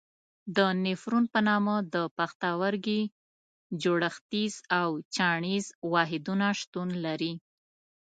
د نفرون په نامه د پښتورګي جوړښتیز او چاڼیز واحدونه شتون لري.